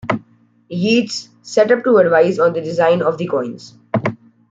Yeats, set up to advise on the design of the coins.